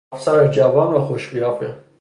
افسر جوان و خوش قیافه